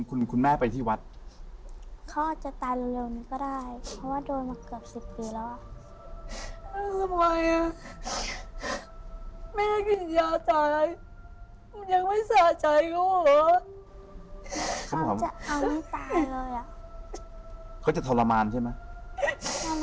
เขาจะเอาให้ตายเลยอ่ะเขาจะทรมานใช่ไหม